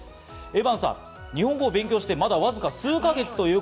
エヴァーさんは日本語を勉強してわずか数か月。